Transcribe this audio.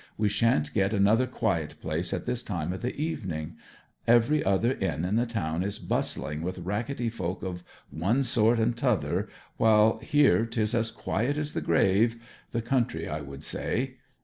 We shan't get another quiet place at this time of the evening every other inn in the town is bustling with rackety folk of one sort and t'other, while here 'tis as quiet as the grave the country, I would say.